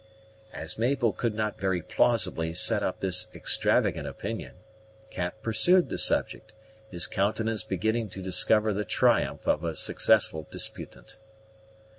As Mabel could not very plausibly set up this extravagant opinion, Cap pursued the subject, his countenance beginning to discover the triumph of a successful disputant.